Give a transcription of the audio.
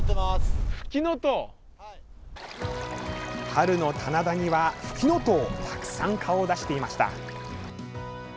春の棚田にはふきのとうがたくさん顔を出していました。